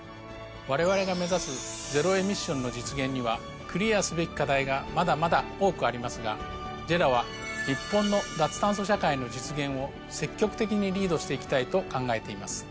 我々が目指すゼロエミッションの実現にはクリアすべき課題がまだまだ多くありますがＪＥＲＡは日本の脱炭素社会の実現を積極的にリードして行きたいと考えています。